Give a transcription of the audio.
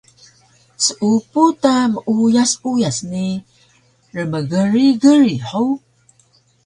Seupu ta meuyas uyas ni rmgrig grig hug!